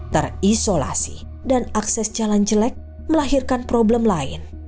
terisolasi dan akses jalan jelek melahirkan problem lain